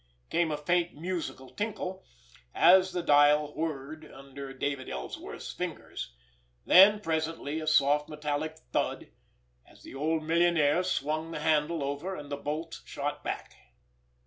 Came a faint musical tinkle, as the dial whirred under David Ellsworth's fingers; then, presently, a soft metallic thud, as the old millionaire swung the handle over and the bolts shot back.